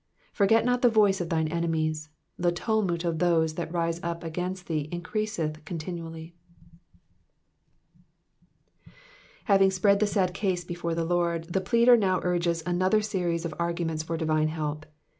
23 Forget not the voice of thine enemies : the tumult of those that rise up against thee increaseth continually. Having pprend the sad case before tlie Lord, the pleader now urges another aeries of aiguments for divine help.